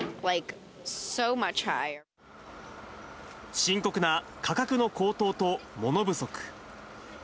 深刻な価格の高騰と物不足。